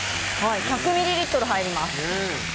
１００ミリリットル入れます。